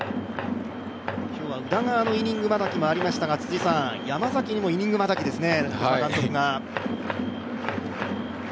今日は宇田川のイニングまたぎがありましたが、山崎もイニングまたぎですね。